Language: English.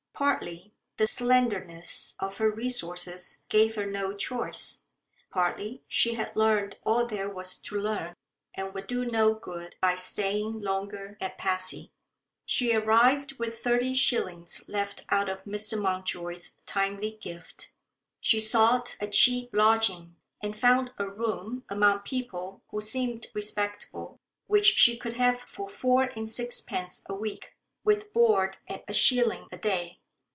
Partly, the slenderness of her resources gave her no choice; partly, she had learned all there was to learn, and would do no good by staying longer at Passy. She arrived with thirty shillings left out of Mr. Mountjoy's timely gift. She sought a cheap lodging, and found a room, among people who seemed respectable, which she could have for four and sixpence a week, with board at a shilling a day.